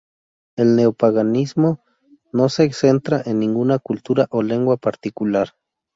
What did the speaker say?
El neopaganismo no se centra en ninguna cultura o lengua particular.